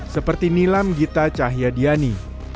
seperti nilam gita cahyadiani